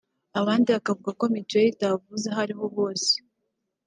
abandi bakavuga ko Mituweli itabavuza aho ariho hose